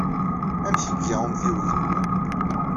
Amek ay iga umtiweg-nwen?